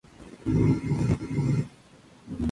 Nakazawa comenzó a jugar fútbol en su país de origen.